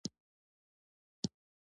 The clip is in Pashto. د سیند په ها غاړه کي غرونه ښکارېدل.